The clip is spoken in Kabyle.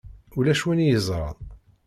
Ulac win i yeẓṛan.